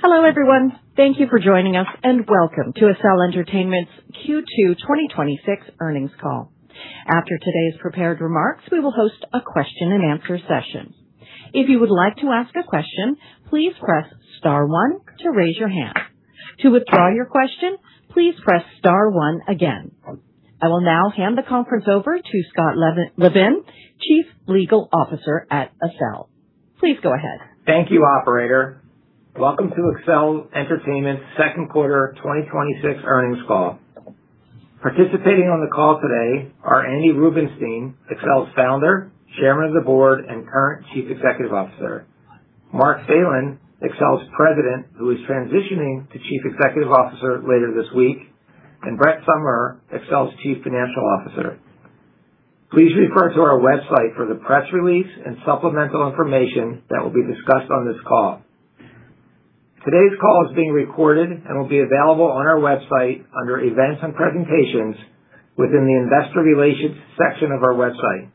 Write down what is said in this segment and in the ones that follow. Hello, everyone. Thank you for joining us, and welcome to Accel Entertainment's Q2 2026 earnings call. After today's prepared remarks, we will host a question-and-answer session. If you would like to ask a question, please press star one to raise your hand. To withdraw your question, please press star one again. I will now hand the conference over to Scott Levin, Chief Legal Officer at Accel. Please go ahead. Thank you, operator. Welcome to Accel Entertainment second quarter 2026 earnings call. Participating on the call today are Andy Rubenstein, Accel's Founder, Chairman of the Board, and current Chief Executive Officer. Mark Phelan, Accel's President, who is transitioning to Chief Executive Officer later this week, and Brett Summerer, Accel's Chief Financial Officer. Please refer to our website for the press release and supplemental information that will be discussed on this call. Today's call is being recorded and will be available on our website under Events and Presentations within the Investor Relations section of our website.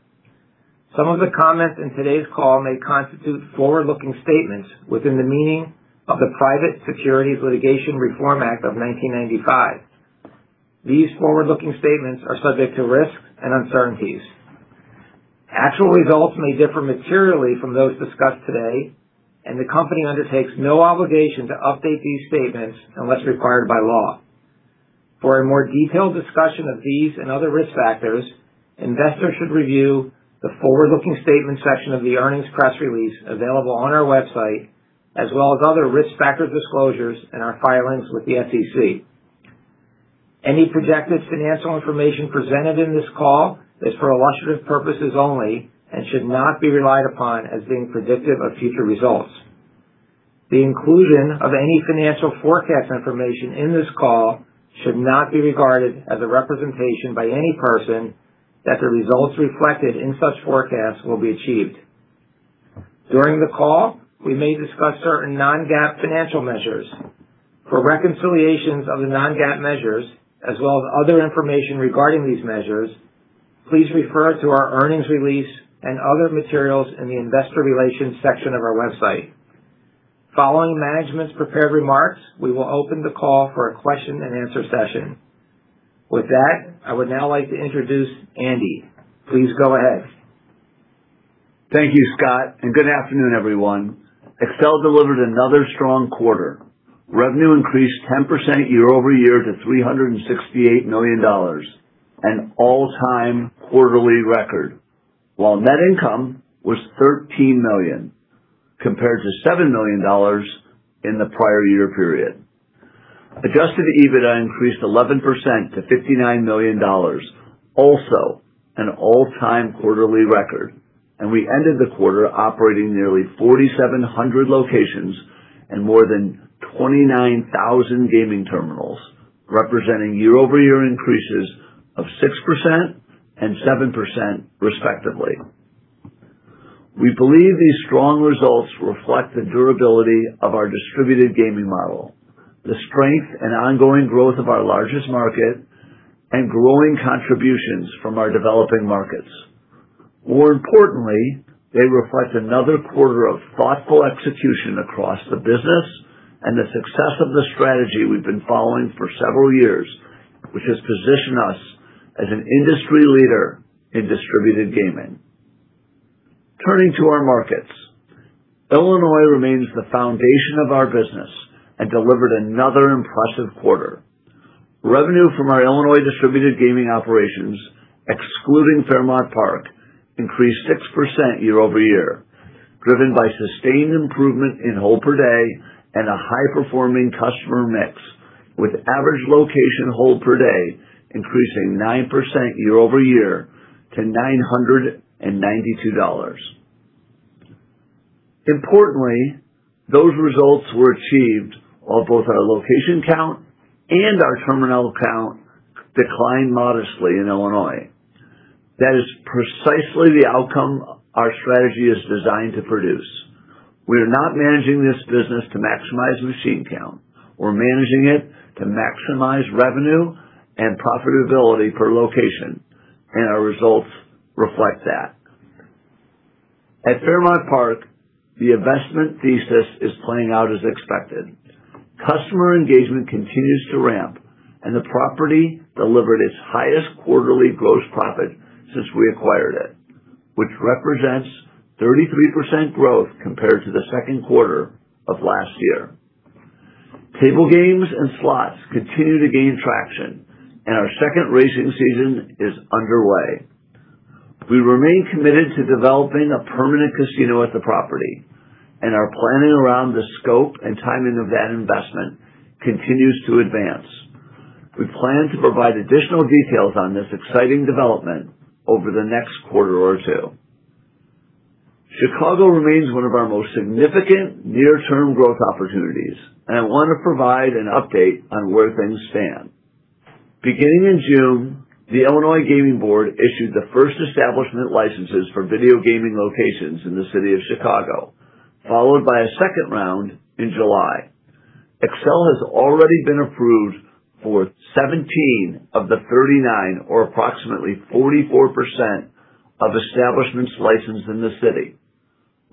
Some of the comments in today's call may constitute forward-looking statements within the meaning of the Private Securities Litigation Reform Act of 1995. These forward-looking statements are subject to risks and uncertainties. Actual results may differ materially from those discussed today, and the company undertakes no obligation to update these statements unless required by law. For a more detailed discussion of these and other risk factors, investors should review the Forward-looking Statement section of the earnings press release available on our website, as well as other risk factor disclosures in our filings with the SEC. Any projected financial information presented in this call is for illustrative purposes only and should not be relied upon as being predictive of future results. The inclusion of any financial forecast information in this call should not be regarded as a representation by any person that the results reflected in such forecasts will be achieved. During the call, we may discuss certain non-GAAP financial measures. For reconciliations of the non-GAAP measures, as well as other information regarding these measures, please refer to our earnings release and other materials in the Investor Relations section of our website. Following management's prepared remarks, we will open the call for a question-and-answer session. With that, I would now like to introduce Andy. Please go ahead. Thank you, Scott, and good afternoon, everyone. Accel delivered another strong quarter. Revenue increased 10% year-over-year to $368 million, an all-time quarterly record. While net income was $13 million, compared to $7 million in the prior year period. Adjusted EBITDA increased 11% to $59 million, also an all-time quarterly record. We ended the quarter operating nearly 4,700 locations and more than 29,000 gaming terminals, representing year-over-year increases of 6% and 7%, respectively. We believe these strong results reflect the durability of our distributed gaming model, the strength and ongoing growth of our largest market, and growing contributions from our developing markets. More importantly, they reflect another quarter of thoughtful execution across the business and the success of the strategy we've been following for several years, which has positioned us as an industry leader in distributed gaming. Turning to our markets. Illinois remains the foundation of our business and delivered another impressive quarter. Revenue from our Illinois distributed gaming operations, excluding Fairmount Park, increased 6% year-over-year, driven by sustained improvement in hold per day and a high-performing customer mix, with average location hold per day increasing 9% year-over-year to $992. Importantly, those results were achieved while both our location count and our terminal count declined modestly in Illinois. That is precisely the outcome our strategy is designed to produce. We are not managing this business to maximize machine count. We're managing it to maximize revenue and profitability per location, and our results reflect that. At Fairmount Park, the investment thesis is playing out as expected. Customer engagement continues to ramp, and the property delivered its highest quarterly gross profit since we acquired it, which represents 33% growth compared to the second quarter of last year. Table games and slots continue to gain traction, and our second racing season is underway. We remain committed to developing a permanent casino at the property, and our planning around the scope and timing of that investment continues to advance. We plan to provide additional details on this exciting development over the next quarter or two. Chicago remains one of our most significant near-term growth opportunities, and I want to provide an update on where things stand. Beginning in June, the Illinois Gaming Board issued the first establishment licenses for video gaming locations in the city of Chicago, followed by a second round in July. Accel has already been approved for 17 of the 39, or approximately 44%, of establishments licensed in the city,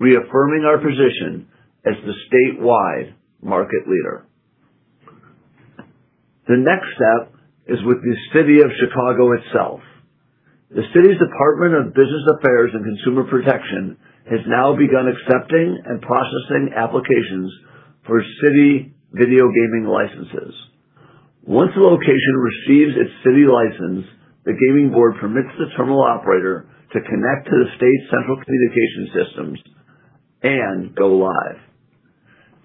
reaffirming our position as the statewide market leader. The next step is with the City of Chicago itself. The city's Department of Business Affairs and Consumer Protection has now begun accepting and processing applications for city video gaming licenses. Once a location receives its city license, the gaming board permits the terminal operator to connect to the state's central communication systems and go live.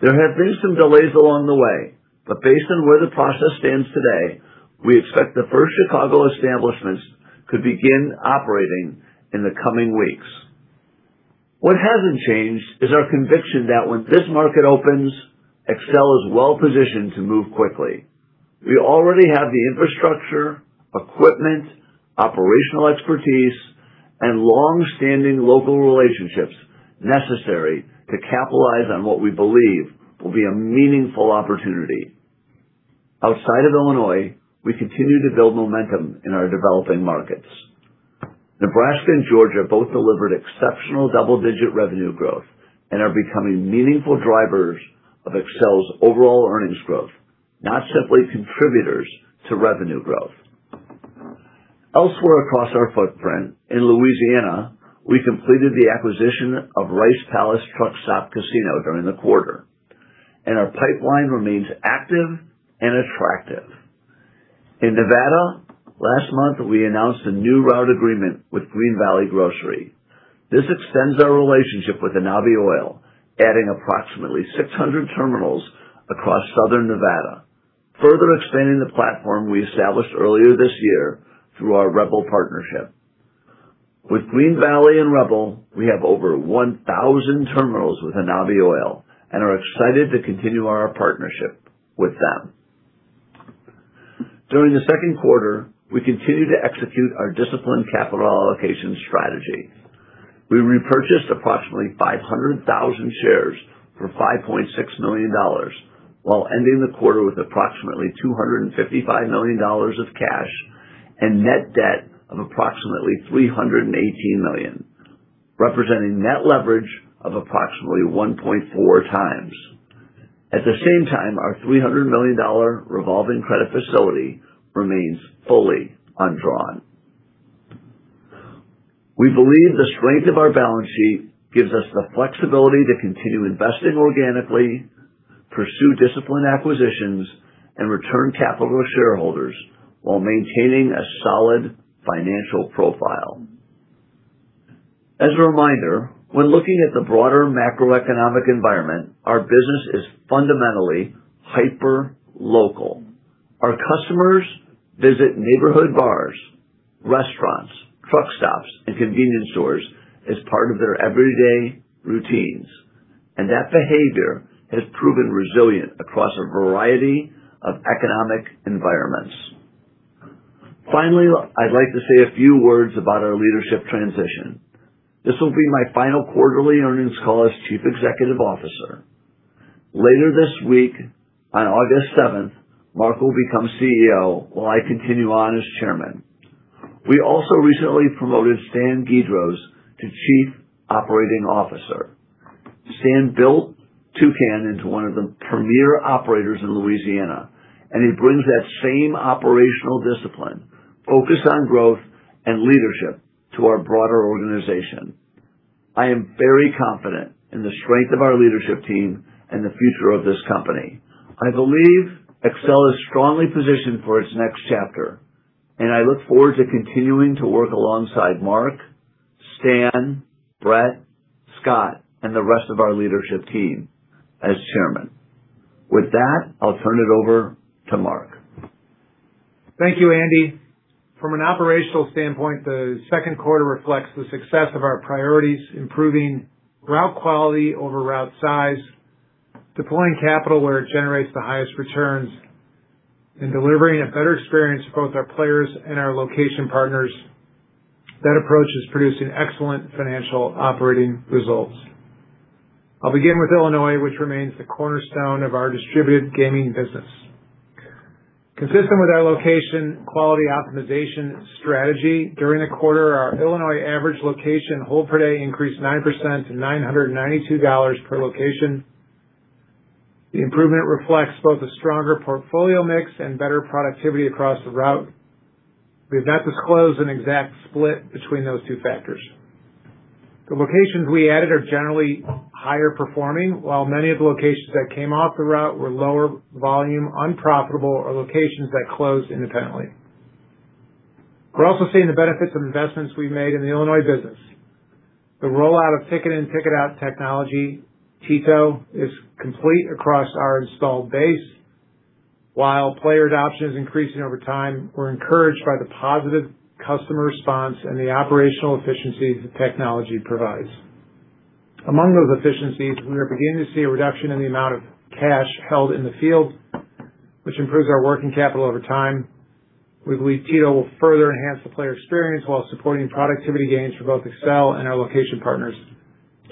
There have been some delays along the way, but based on where the process stands today, we expect the first Chicago establishments could begin operating in the coming weeks. What hasn't changed is our conviction that when this market opens, Accel is well-positioned to move quickly. We already have the infrastructure, equipment, operational expertise, and long-standing local relationships necessary to capitalize on what we believe will be a meaningful opportunity. Outside of Illinois, we continue to build momentum in our developing markets. Nebraska and Georgia both delivered exceptional double-digit revenue growth and are becoming meaningful drivers of Accel's overall earnings growth, not simply contributors to revenue growth. Elsewhere across our footprint, in Louisiana, we completed the acquisition of Rice Palace Truck Stop Casino during the quarter, and our pipeline remains active and attractive. In Nevada, last month, we announced a new route agreement with Green Valley Grocery. This extends our relationship with Anabi Oil, adding approximately 600 terminals across Southern Nevada, further expanding the platform we established earlier this year through our Rebel partnership. With Green Valley and Rebel, we have over 1,000 terminals with Anabi Oil and are excited to continue our partnership with them. During the second quarter, we continued to execute our disciplined capital allocation strategy. We repurchased approximately 500,000 shares for $5.6 million, while ending the quarter with approximately $255 million of cash and net debt of approximately $318 million, representing net leverage of approximately 1.4x. At the same time, our $300 million revolving credit facility remains fully undrawn. We believe the strength of our balance sheet gives us the flexibility to continue investing organically, pursue disciplined acquisitions, and return capital to shareholders while maintaining a solid financial profile. As a reminder, when looking at the broader macroeconomic environment, our business is fundamentally hyper-local. Our customers visit neighborhood bars, restaurants, truck stops, and convenience stores as part of their everyday routines, and that behavior has proven resilient across a variety of economic environments. Finally, I'd like to say a few words about our leadership transition. This will be my final quarterly earnings call as Chief Executive Officer. Later this week, on August 7th, Mark will become CEO while I continue on as Chairman. We also recently promoted Stan Guidroz to Chief Operating Officer. Stan built Toucan into one of the premier operators in Louisiana, and he brings that same operational discipline, focus on growth and leadership to our broader organization. I am very confident in the strength of our leadership team and the future of this company. I believe Accel is strongly positioned for its next chapter, and I look forward to continuing to work alongside Mark, Stan, Brett, Scott, and the rest of our leadership team as Chairman. With that, I'll turn it over to Mark. Thank you, Andy. From an operational standpoint, the second quarter reflects the success of our priorities, improving route quality over route size, deploying capital where it generates the highest returns, and delivering a better experience for both our players and our location partners. That approach is producing excellent financial operating results. I'll begin with Illinois, which remains the cornerstone of our distributed gaming business. Consistent with our location quality optimization strategy, during the quarter, our Illinois average location hold per day increased 9% to $992 per location. The improvement reflects both a stronger portfolio mix and better productivity across the route. We have not disclosed an exact split between those two factors. The locations we added are generally higher performing, while many of the locations that came off the route were lower volume, unprofitable, or locations that closed independently. We're also seeing the benefits of investments we've made in the Illinois business. The rollout of ticket in ticket out technology, TITO, is complete across our installed base. While player adoption is increasing over time, we're encouraged by the positive customer response and the operational efficiency the technology provides. Among those efficiencies, we are beginning to see a reduction in the amount of cash held in the field, which improves our working capital over time. We believe TITO will further enhance the player experience while supporting productivity gains for both Accel and our location partners,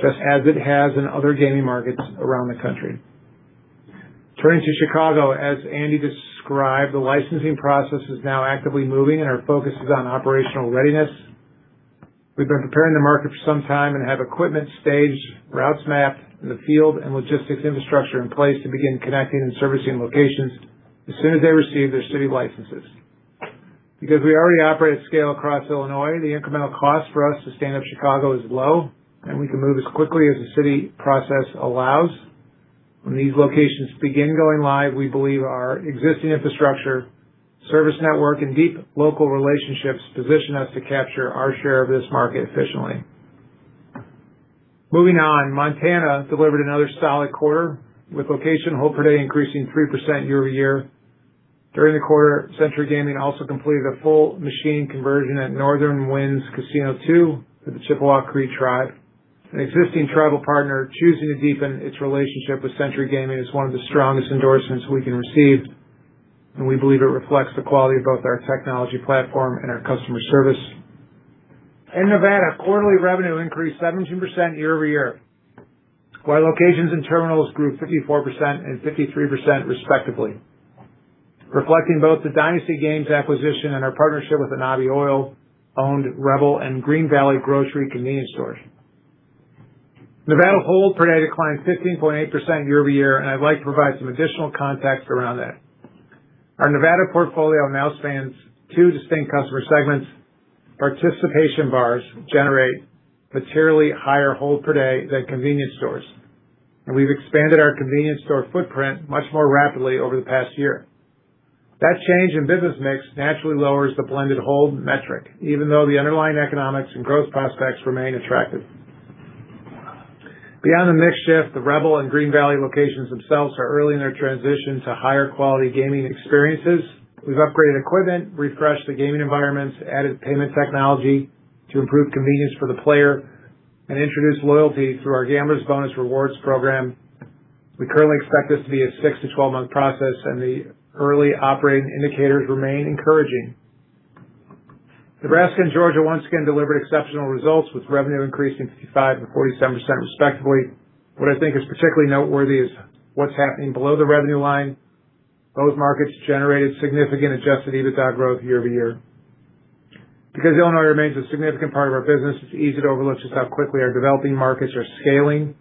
just as it has in other gaming markets around the country. Turning to Chicago, as Andy described, the licensing process is now actively moving, and our focus is on operational readiness. We've been preparing the market for some time and have equipment staged, routes mapped in the field, and logistics infrastructure in place to begin connecting and servicing locations as soon as they receive their city licenses. Because we already operate at scale across Illinois, the incremental cost for us to stand up Chicago is low, and we can move as quickly as the city process allows. When these locations begin going live, we believe our existing infrastructure, service network, and deep local relationships position us to capture our share of this market efficiently. Moving on, Montana delivered another solid quarter, with location hold per day increasing 3% year-over-year. During the quarter, Century Gaming also completed a full machine conversion at Northern Winz II Casino with the Chippewa Cree Tribe. An existing tribal partner choosing to deepen its relationship with Century Gaming is one of the strongest endorsements we can receive, and we believe it reflects the quality of both our technology platform and our customer service. In Nevada, quarterly revenue increased 17% year-over-year, while locations and terminals grew 54% and 53% respectively, reflecting both the Dynasty Games acquisition and our partnership with the Anabi Oil-owned Rebel and Green Valley Grocery convenience stores. Nevada hold per day declined 15.8% year-over-year, and I'd like to provide some additional context around that. Our Nevada portfolio now spans two distinct customer segments. Participation bars generate materially higher hold per day than convenience stores, and we've expanded our convenience store footprint much more rapidly over the past year. That change in business mix naturally lowers the blended hold metric, even though the underlying economics and growth prospects remain attractive. Beyond the mix shift, the Rebel and Green Valley locations themselves are early in their transition to higher quality gaming experiences. We've upgraded equipment, refreshed the gaming environments, added payment technology to improve convenience for the player, and introduced loyalty through our AE Player Rewards program. We currently expect this to be a 6 to 12-month process, and the early operating indicators remain encouraging. Nebraska and Georgia once again delivered exceptional results, with revenue increasing 55% and 47% respectively. What I think is particularly noteworthy is what's happening below the revenue line. Both markets generated significant adjusted EBITDA growth year-over-year. Because Illinois remains a significant part of our business, it's easy to overlook just how quickly our developing markets are scaling.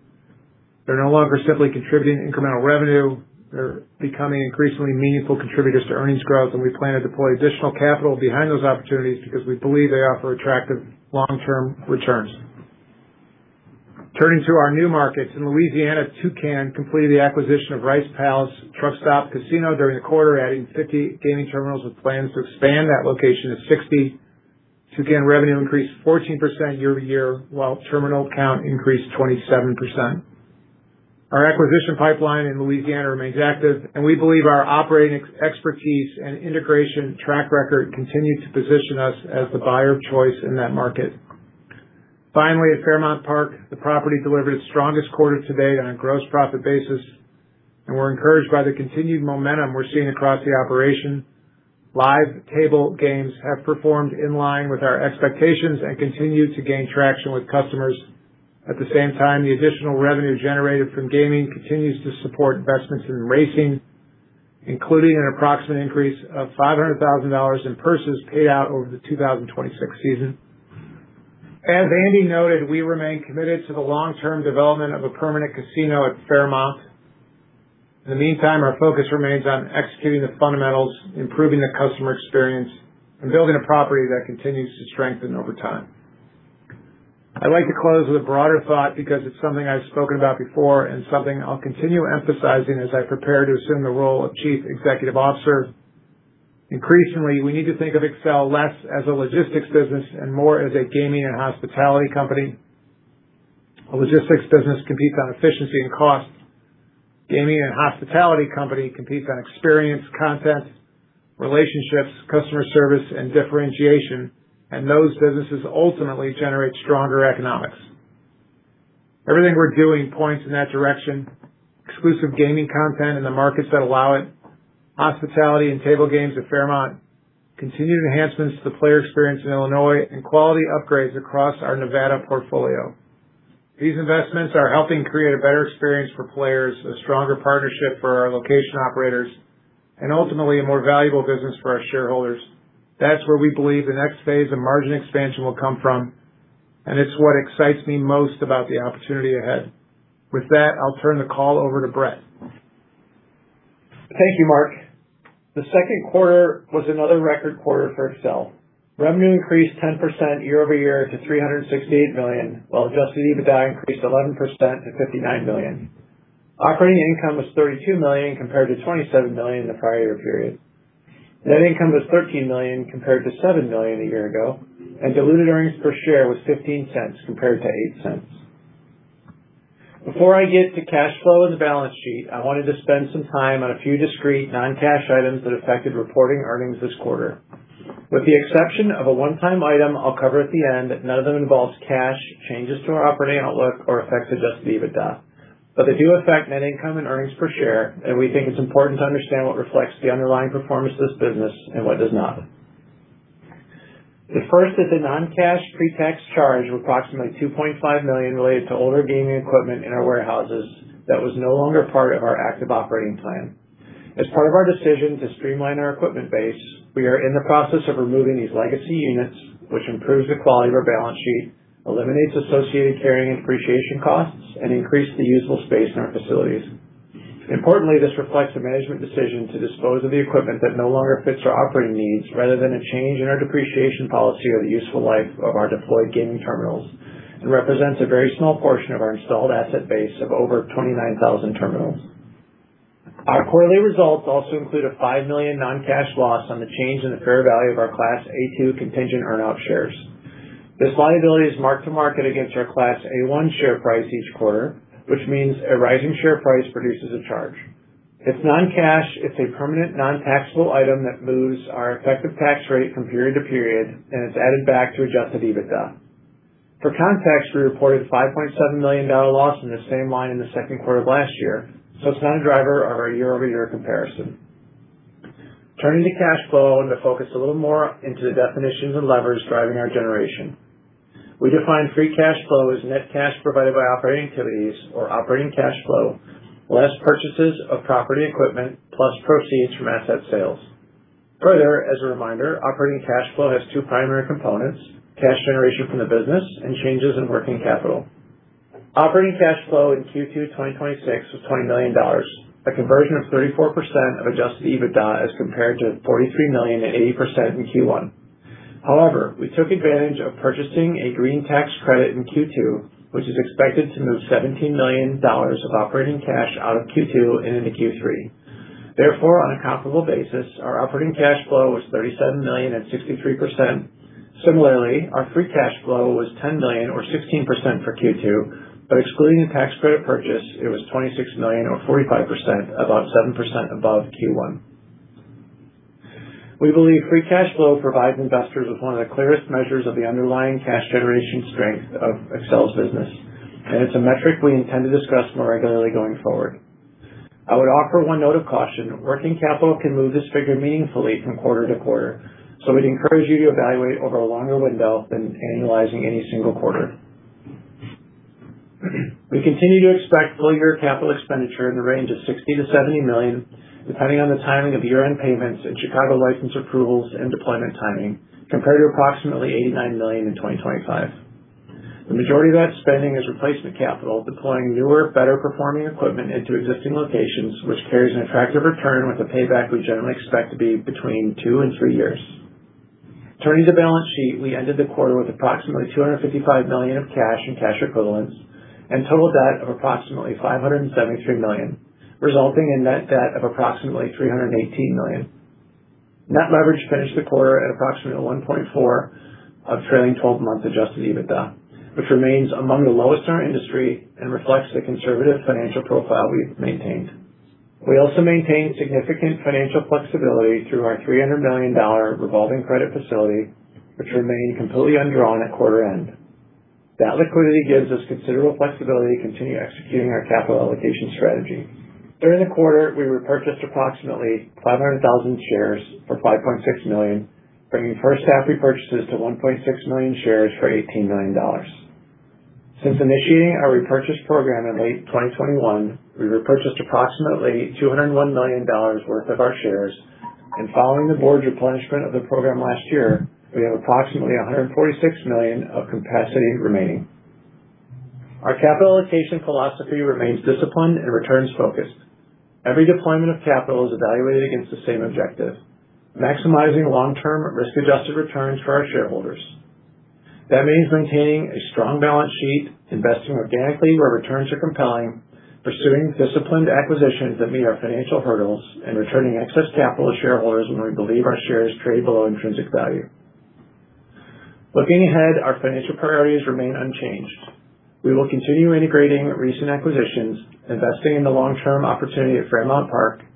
They're no longer simply contributing incremental revenue. They're becoming increasingly meaningful contributors to earnings growth. We plan to deploy additional capital behind those opportunities because we believe they offer attractive long-term returns. Turning to our new markets, in Louisiana, Toucan completed the acquisition of Rice Palace Truck Stop Casino during the quarter, adding 50 gaming terminals with plans to expand that location to 60. Toucan revenue increased 14% year-over-year, while terminal count increased 27%. Our acquisition pipeline in Louisiana remains active. We believe our operating expertise and integration track record continue to position us as the buyer of choice in that market. Finally, at Fairmount Park, the property delivered its strongest quarter to date on a gross profit basis. We're encouraged by the continued momentum we're seeing across the operation. Live table games have performed in line with our expectations and continue to gain traction with customers. At the same time, the additional revenue generated from gaming continues to support investments in racing, including an approximate increase of $500,000 in purses paid out over the 2026 season. As Andy noted, we remain committed to the long-term development of a permanent casino at Fairmount. In the meantime, our focus remains on executing the fundamentals, improving the customer experience, and building a property that continues to strengthen over time. I'd like to close with a broader thought because it's something I've spoken about before and something I'll continue emphasizing as I prepare to assume the role of chief executive officer. Increasingly, we need to think of Accel less as a logistics business and more as a gaming and hospitality company. A logistics business competes on efficiency and cost. Gaming and hospitality company compete on experience, content, relationships, customer service, and differentiation. Those businesses ultimately generate stronger economics. Everything we're doing points in that direction. Exclusive gaming content in the markets that allow it, hospitality and table games at Fairmount, continued enhancements to the player experience in Illinois, and quality upgrades across our Nevada portfolio. These investments are helping create a better experience for players, a stronger partnership for our location operators, and ultimately a more valuable business for our shareholders. That's where we believe the next phase of margin expansion will come from. It's what excites me most about the opportunity ahead. With that, I'll turn the call over to Brett. Thank you, Mark. The second quarter was another record quarter for Accel. Revenue increased 10% year-over-year to $368 million, while adjusted EBITDA increased 11% to $59 million. Operating income was $32 million compared to $27 million in the prior year period. Net income was $13 million compared to $7 million a year ago, and diluted earnings per share was $0.15 compared to $0.08. Before I get to cash flow and the balance sheet, I wanted to spend some time on a few discrete non-cash items that affected reporting earnings this quarter. With the exception of a one-time item I'll cover at the end, none of them involves cash, changes to our operating outlook, or affect adjusted EBITDA. They do affect net income and earnings per share, and we think it's important to understand what reflects the underlying performance of this business and what does not. The first is a non-cash pre-tax charge of approximately $2.5 million related to older gaming equipment in our warehouses that was no longer part of our active operating plan. As part of our decision to streamline our equipment base, we are in the process of removing these legacy units, which improves the quality of our balance sheet, eliminates associated carrying and depreciation costs, and increase the useful space in our facilities. Importantly, this reflects a management decision to dispose of the equipment that no longer fits our operating needs, rather than a change in our depreciation policy or the useful life of our deployed gaming terminals. It represents a very small portion of our installed asset base of over 29,000 terminals. Our quarterly results also include a $5 million non-cash loss on the change in the fair value of our Class A-2 contingent earn-out shares. This liability is mark-to-market against our Class A-1 share price each quarter, which means a rising share price produces a charge. It's non-cash. It's a permanent non-taxable item that moves our effective tax rate from period to period and is added back to adjusted EBITDA. For context, we reported $5.7 million loss in the same line in the second quarter of last year, so it's not a driver of our year-over-year comparison. Turning to cash flow and to focus a little more into the definitions and levers driving our generation. We define free cash flow as net cash provided by operating activities or operating cash flow, less purchases of property equipment, plus proceeds from asset sales. As a reminder, operating cash flow has two primary components, cash generation from the business and changes in working capital. Operating cash flow in Q2 2026 was $20 million, a conversion of 34% of adjusted EBITDA as compared to $43 million and 80% in Q1. We took advantage of purchasing a green tax credit in Q2, which is expected to move $17 million of operating cash out of Q2 and into Q3. On a comparable basis, our operating cash flow was $37 million and 63%. Our free cash flow was $10 million or 16% for Q2, but excluding the tax credit purchase, it was $26 million or 45%, about 7% above Q1. We believe free cash flow provides investors with one of the clearest measures of the underlying cash generation strength of Accel's business, and it's a metric we intend to discuss more regularly going forward. I would offer one note of caution. Working capital can move this figure meaningfully from quarter to quarter, we'd encourage you to evaluate over a longer window than annualizing any single quarter. We continue to expect full year capital expenditure in the range of $60 million-$70 million, depending on the timing of year-end payments and Chicago license approvals and deployment timing, compared to approximately $89 million in 2025. The majority of that spending is replacement capital, deploying newer, better-performing equipment into existing locations, which carries an attractive return with a payback we generally expect to be between two and three years. Turning to the balance sheet, we ended the quarter with approximately $255 million of cash and cash equivalents and total debt of approximately $573 million, resulting in net debt of approximately $318 million. Net leverage finished the quarter at approximately 1.4 of trailing 12-month adjusted EBITDA, which remains among the lowest in our industry and reflects the conservative financial profile we've maintained. We also maintain significant financial flexibility through our $300 million revolving credit facility, which remained completely undrawn at quarter end. That liquidity gives us considerable flexibility to continue executing our capital allocation strategy. During the quarter, we repurchased approximately 500,000 shares for $5.6 million, bringing first half repurchases to 1.6 million shares for $18 million. Since initiating our repurchase program in late 2021, we repurchased approximately $201 million worth of our shares. Following the board's replenishment of the program last year, we have approximately $146 million of capacity remaining. Our capital allocation philosophy remains disciplined and returns-focused. Every deployment of capital is evaluated against the same objective, maximizing long-term risk-adjusted returns for our shareholders. That means maintaining a strong balance sheet, investing organically where returns are compelling, pursuing disciplined acquisitions that meet our financial hurdles, and returning excess capital to shareholders when we believe our shares trade below intrinsic value. Looking ahead, our financial priorities remain unchanged. We will continue integrating recent acquisitions, investing in the long-term opportunity at Fairmount Park,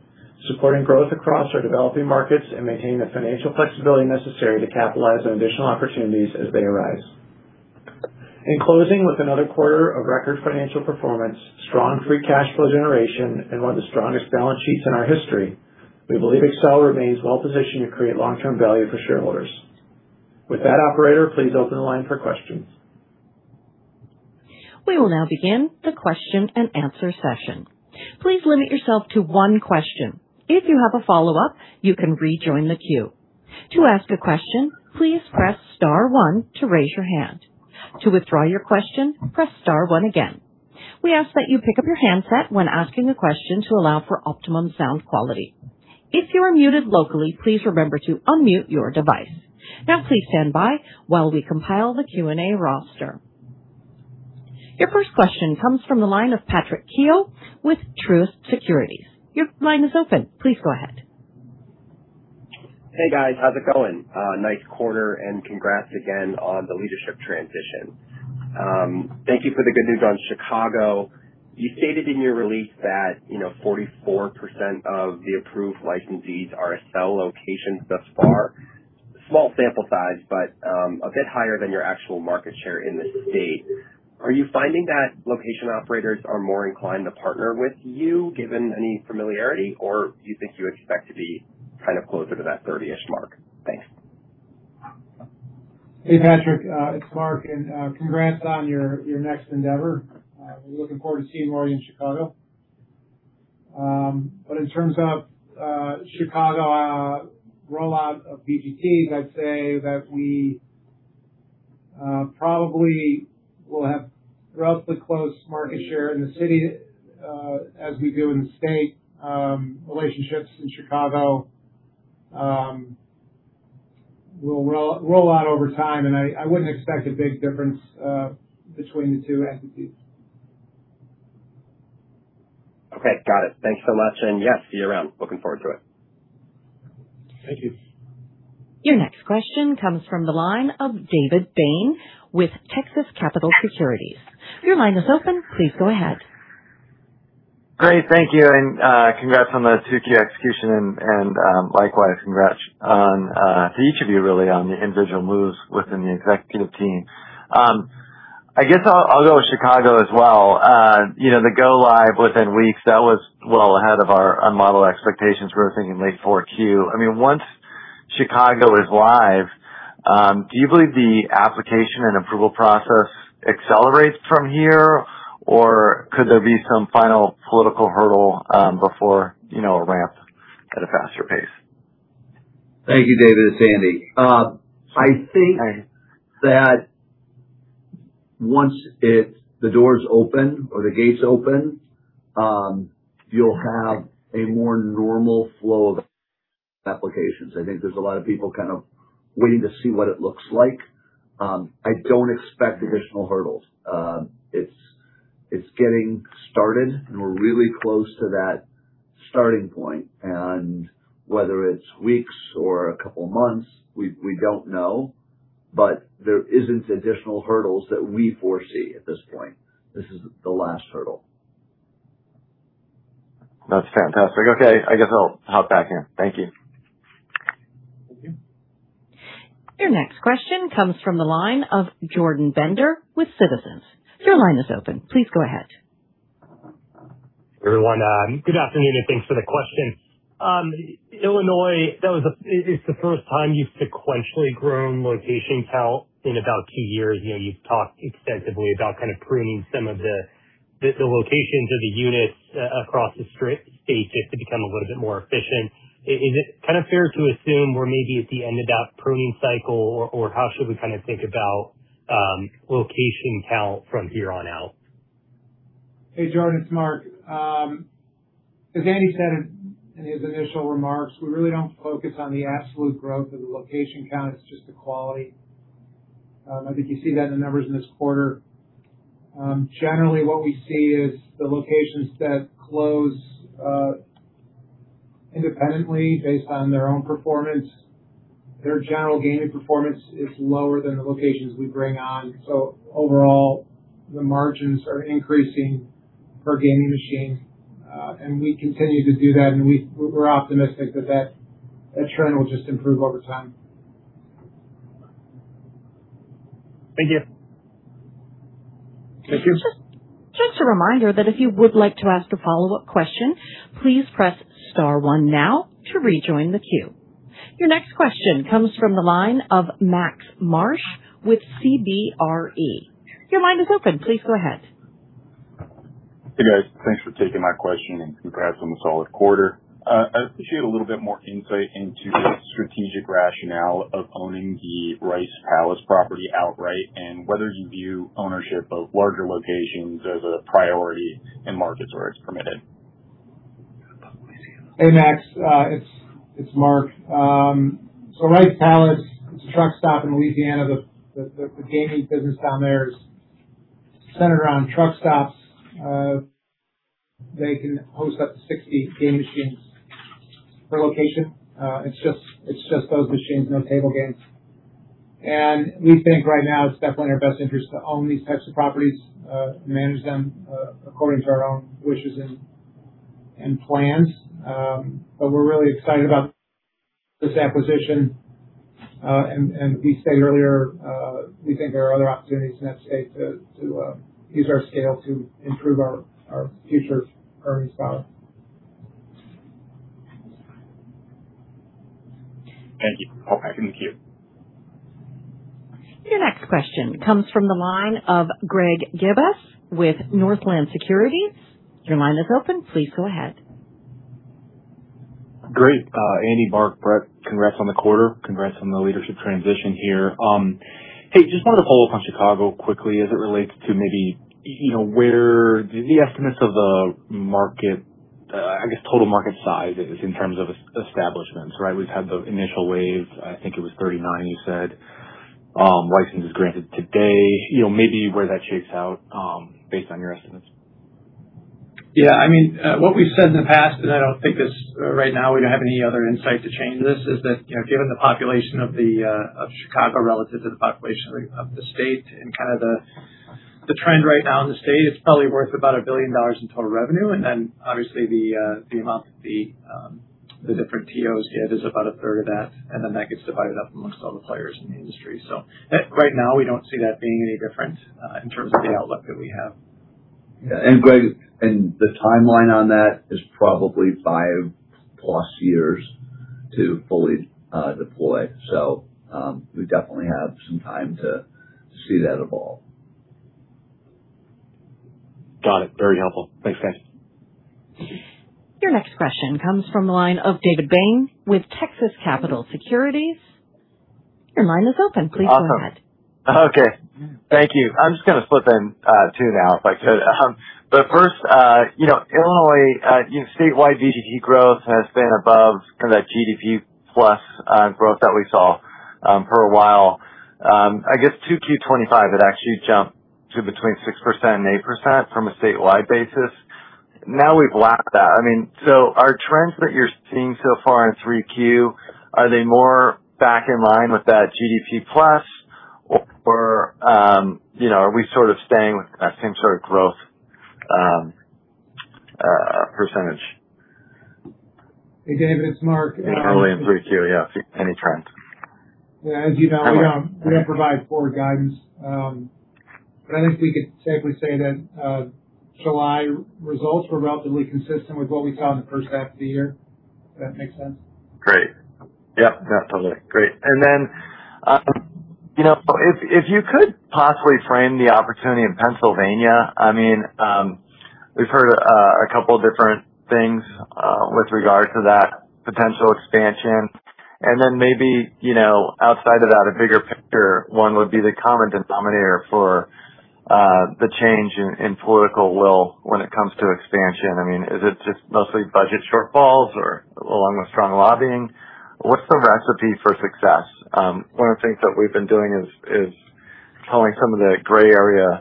supporting growth across our developing markets, and maintaining the financial flexibility necessary to capitalize on additional opportunities as they arise. In closing, with another quarter of record financial performance, strong free cash flow generation, and one of the strongest balance sheets in our history, we believe Accel remains well-positioned to create long-term value for shareholders. With that, operator, please open the line for questions. We will now begin the question-and-answer session. Please limit yourself to one question. If you have a follow-up, you can rejoin the queue. To ask a question, please press star one to raise your hand. To withdraw your question, press star one again. We ask that you pick up your handset when asking a question to allow for optimum sound quality. If you are muted locally, please remember to unmute your device. Now please stand by while we compile the Q&A roster. Your first question comes from the line of Patrick Keough with Truist Securities. Your line is open. Please go ahead. Hey, guys. How's it going? Nice quarter, and congrats again on the leadership transition. Thank you for the good news on Chicago. You stated in your release that 44% of the approved licensees are Accel locations thus far. Small sample size, but, a bit higher than your actual market share in the state. Are you finding that location operators are more inclined to partner with you given any familiarity, or do you think you expect to be kind of closer to that 30-ish mark? Thanks. Hey, Patrick. It's Mark, and congrats on your next endeavor. We're looking forward to seeing you in Chicago. In terms of Chicago rollout of VGTs, I'd say that we probably will have relatively close market share in the city as we do in the state. Relationships in Chicago will roll out over time, and I wouldn't expect a big difference between the two entities. Okay, got it. Thanks so much. Yeah, see you around. Looking forward to it. Thank you. Your next question comes from the line of David Bain with Texas Capital Securities. Your line is open. Please go ahead. Thank you. Congrats on the Q2 execution, and likewise, congrats to each of you, really, on the individual moves within the executive team. I guess I'll go with Chicago as well. The go live within weeks, that was well ahead of our model expectations. We were thinking late 4Q. Once Chicago is live, do you believe the application and approval process accelerates from here, or could there be some final political hurdle before a ramp at a faster pace? Thank you, David. It's Andy. I think that once the doors open or the gates open, you'll have a more normal flow of applications. I think there's a lot of people kind of waiting to see what it looks like. I don't expect additional hurdles. It's getting started. We're really close to that starting point, and whether it's weeks or a couple of months, we don't know. There isn't additional hurdles that we foresee at this point. This is the last hurdle. That's fantastic. Okay. I guess I'll hop back in. Thank you. Thank you. Your next question comes from the line of Jordan Bender with Citizens. Your line is open. Please go ahead. Everyone, good afternoon, and thanks for the question. Illinois, it's the first time you've sequentially grown location count in about two years. You've talked extensively about kind of pruning some of the locations or the units across the state just to become a little bit more efficient. Is it kind of fair to assume we're maybe at the end of that pruning cycle, or how should we kind of think about location count from here on out? Hey, Jordan, it's Mark. As Andy said in his initial remarks, we really don't focus on the absolute growth of the location count. It's just the quality. I think you see that in the numbers in this quarter. Generally, what we see is the locations that close independently based on their own performance, their general gaming performance is lower than the locations we bring on. Overall, the margins are increasing per gaming machine. We continue to do that, and we're optimistic that that trend will just improve over time. Thank you. Thank you. Just a reminder that if you would like to ask a follow-up question, please press star one now to rejoin the queue. Your next question comes from the line of Max Marsh with CBRE. Your line is open. Please go ahead. Hey, guys, thanks for taking my question and congrats on the solid quarter. I'd appreciate a little bit more insight into the strategic rationale of owning the Rice Palace property outright and whether you view ownership of larger locations as a priority in markets where it's permitted. Hey, Max. It's Mark. Rice Palace, it's a truck stop in Louisiana. The gaming business down there is centered around truck stops. They can host up to 60 game machines per location. It's just those machines, no table games. We think right now it's definitely in our best interest to own these types of properties, manage them according to our own wishes and plans. We're really excited about this acquisition. We said earlier we think there are other opportunities in that state to use our scale to improve our future earnings power. Thank you. I'll hop back in the queue. Your next question comes from the line of Greg Gibas with Northland Securities. Your line is open. Please go ahead. Great. Andy, Mark, Brett, congrats on the quarter. Congrats on the leadership transition here. Hey, just wanted to follow up on Chicago quickly as it relates to maybe where the estimates of the market, I guess total market size is in terms of establishments, right? We've had the initial wave, I think it was 39, you said, licenses granted to date. Maybe where that shakes out based on your estimates. Yeah. What we've said in the past, I don't think right now we have any other insight to change this, is that given the population of Chicago relative to the population of the state and kind of the trend right now in the state, it's probably worth about $1 billion in total revenue. Then obviously the amount that the different TOs get is about 1/3 of that, and then that gets divided up amongst all the players in the industry. Right now, we don't see that being any different in terms of the outlook that we have. Yeah. Greg, the timeline on that is probably five plus years to fully deploy. We definitely have some time to see that evolve. Got it. Very helpful. Thanks, guys. Your next question comes from the line of David Bain with Texas Capital Securities. Your line is open. Please go ahead. Awesome. Okay. Thank you. I'm just going to slip in two now, if I could. First, Illinois statewide VGT growth has been above kind of that GDP-plus growth that we saw for a while. I guess 2Q 2025, it actually jumped to between 6% and 8% from a statewide basis. Now we've lapped that. Our trends that you're seeing so far in 3Q, are they more back in line with that GDP-plus, or are we sort of staying with that same sort of growth percentage? Hey, David, it's Mark. In early 3Q, yeah. Any trends? Yeah. As you know, we don't provide forward guidance. I think we could safely say that July results were relatively consistent with what we saw in the first half of the year. If that makes sense. Great. Yep, definitely. Great. Then, if you could possibly frame the opportunity in Pennsylvania. We've heard a couple different things with regard to that potential expansion. Then maybe, outside of that, a bigger picture one would be the common denominator for the change in political will when it comes to expansion. Is it just mostly budget shortfalls or along with strong lobbying? What's the recipe for success? One of the things that we've been doing is culling some of the gray area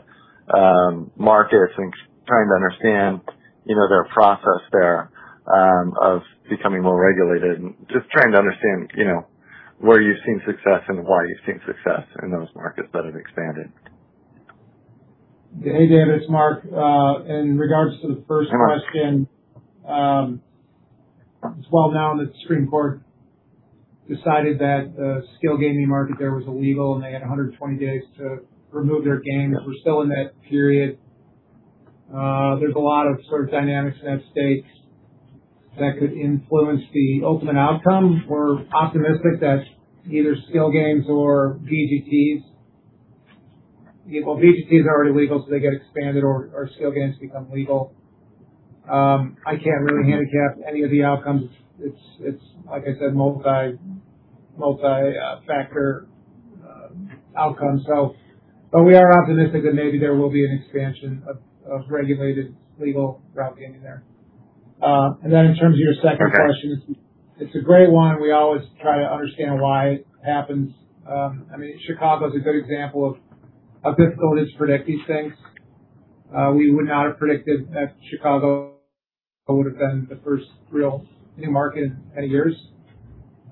markets and trying to understand their process there of becoming more regulated and just trying to understand where you've seen success and why you've seen success in those markets that have expanded. Hey, David, it's Mark. In regards to the first question, it's well-known that the Supreme Court decided that the skill gaming market there was illegal, and they had 120 days to remove their games. We're still in that period. There's a lot of sort of dynamics in that state that could influence the ultimate outcome. We're optimistic that either skill games or VGTs. Well, VGTs are already legal, so they get expanded or skill games become legal. I can't really handicap any of the outcomes. It's, like I said, multi-factor outcome. We are optimistic that maybe there will be an expansion of regulated legal route gaming there. In terms of your second question, it's a great one. We always try to understand why it happens. Chicago is a good example of how difficult it is to predict these things. We would not have predicted that Chicago would have been the first real new market in many years.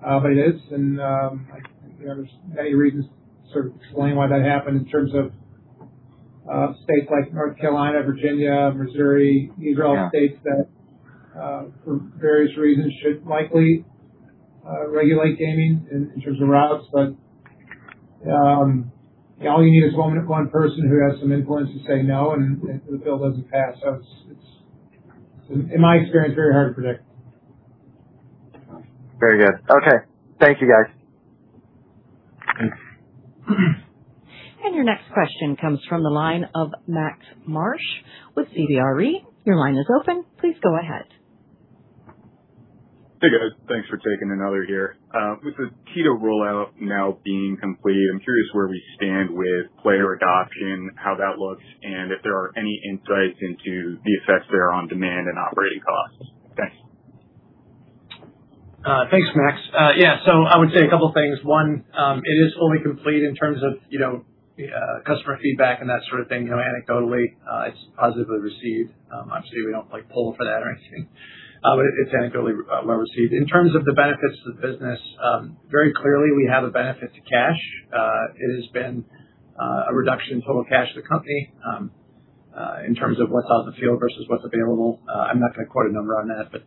It is, and there's many reasons to sort of explain why that happened in terms of states like North Carolina, Virginia, Missouri. These are all states that, for various reasons, should likely regulate gaming in terms of routes. All you need is one person who has some influence to say no, and the bill doesn't pass. It's, in my experience, very hard to predict. Very good. Okay. Thank you, guys. Your next question comes from the line of Max Marsh with CBRE. Your line is open. Please go ahead. Hey, guys. Thanks for taking another here. With the TITO rollout now being complete, I'm curious where we stand with player adoption, how that looks, and if there are any insights into the effects there on demand and operating costs. Thanks. Thanks, Max. Yeah. I would say a couple things. One, it is only complete in terms of customer feedback and that sort of thing. You know, anecdotally, it's positively received. Obviously, we don't poll for that or anything, but it's anecdotally well-received. In terms of the benefits to the business, very clearly, we have a benefit to cash. It has been a reduction in total cash to the company, in terms of what's on the field versus what's available. I'm not going to quote a number on that, but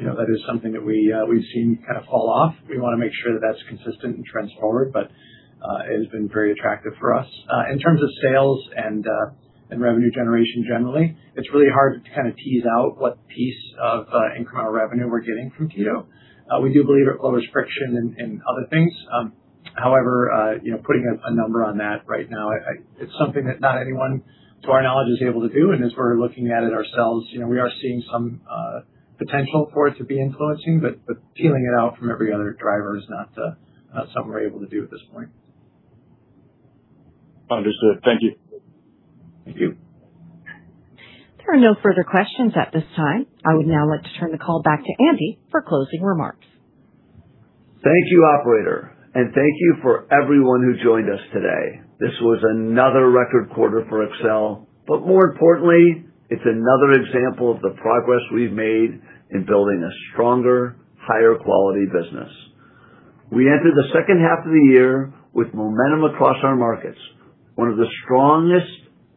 that is something that we've seen kind of fall off. We want to make sure that's consistent and trends forward, but it has been very attractive for us. In terms of sales and revenue generation generally, it's really hard to kind of tease out what piece of incremental revenue we're getting from TITO. We do believe it lowers friction in other things. However, putting a number on that right now, it's something that not anyone, to our knowledge, is able to do. As we're looking at it ourselves, we are seeing some potential for it to be influencing, but peeling it out from every other driver is not something we're able to do at this point. Understood. Thank you. Thank you. There are no further questions at this time. I would now like to turn the call back to Andy for closing remarks. Thank you, operator, and thank you for everyone who joined us today. This was another record quarter for Accel, but more importantly, it's another example of the progress we've made in building a stronger, higher quality business. We enter the second half of the year with momentum across our markets, one of the strongest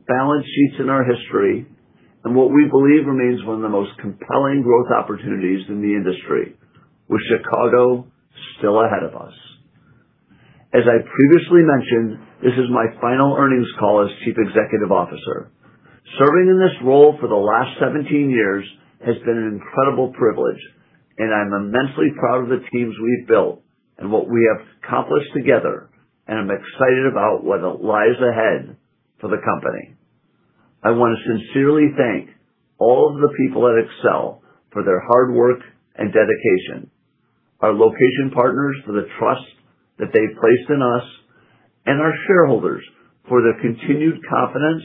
balance sheets in our history, and what we believe remains one of the most compelling growth opportunities in the industry, with Chicago still ahead of us. As I previously mentioned, this is my final earnings call as Chief Executive Officer. Serving in this role for the last 17 years has been an incredible privilege, and I'm immensely proud of the teams we've built and what we have accomplished together, and I'm excited about what lies ahead for the company. I want to sincerely thank all of the people at Accel for their hard work and dedication, our location partners for the trust that they've placed in us, and our shareholders for their continued confidence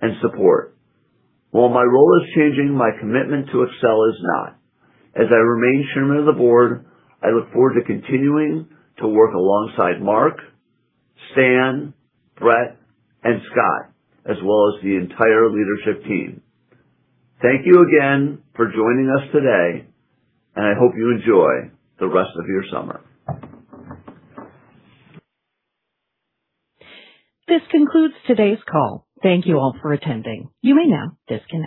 and support. While my role is changing, my commitment to Accel is not. As I remain Chairman of the Board, I look forward to continuing to work alongside Mark, Stan, Brett, and Scott, as well as the entire leadership team. Thank you again for joining us today, and I hope you enjoy the rest of your summer. This concludes today's call. Thank you all for attending. You may now disconnect.